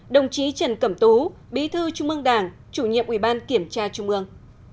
đồng chí trần cẩm tú bí thư trung ương đảng chủ nhiệm ủy ban kiểm tra trung ương